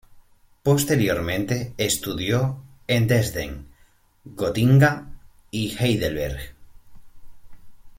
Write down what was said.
Posteriormente estudió en Dresden, Gotinga y Heidelberg.